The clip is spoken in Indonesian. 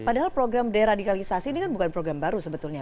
padahal program deradikalisasi ini kan bukan program baru sebetulnya